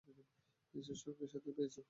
নিজের সঙ্গীসাথী পেয়েছ।